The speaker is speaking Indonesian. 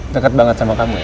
deket banget sama kamu